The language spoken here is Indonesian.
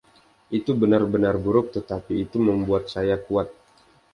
Itu benar-benar buruk, tetapi itu membuat saya kuat.